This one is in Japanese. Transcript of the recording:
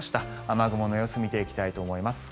雨雲の様子を見ていきたいと思います。